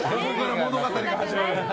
物語が始まる。